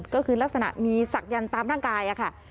ก็คือลักษณะมีศักยันต์ตามร่างกายค่ะ